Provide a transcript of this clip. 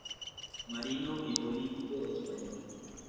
Marino y político español.